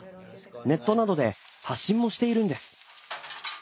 ネットなどで発信もしているんです。